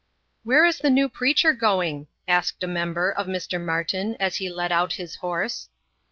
"Where is the new preacher going?" asked a member, of Mr. Martin, as he led out his horse.